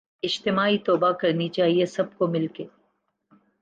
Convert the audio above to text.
اجتماعی توبہ کرنی چاہیے سب کو مل کے